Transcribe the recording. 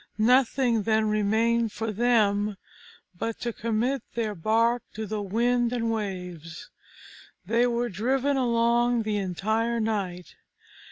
Nothing then remained for them but to commit their bark to the wind and waves. They were driven along the entire night.